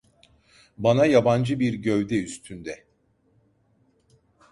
Bana yabancı bir gövde üstünde.